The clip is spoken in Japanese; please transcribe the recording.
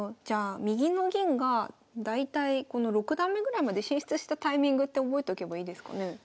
じゃあ右の銀が大体この６段目ぐらいまで進出したタイミングって覚えとけばいいですかね？